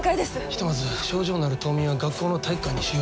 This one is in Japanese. ひとまず症状のある島民は学校の体育館に収容しましょう。